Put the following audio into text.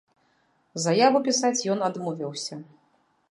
Заяву пісаць ён адмовіўся.